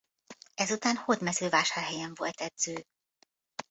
Ezután Hódmezővásárhelyen volt edző.